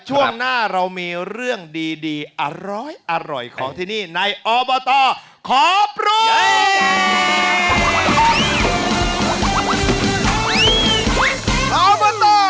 ช่วงหน้าเรามีเรื่องดีอร้อยของที่นี่ในอบตขอปรุง